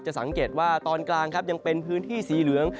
สังเกตว่าตอนกลางครับยังเป็นพื้นที่สีเหลือง